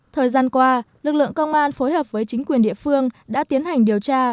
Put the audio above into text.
thời gian qua lực lượng công an phối hợp với chính quyền địa phương đã tiến hành điều tra